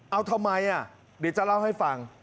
เอาทำไมเดี๋ยวจะเล่าให้ฟัง